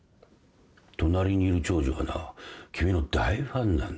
隣にいる長女はな君の大ファンなんだよ。